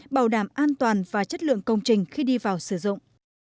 bảo đảm an toàn và chất lượng công trình khi đi vào sử dụng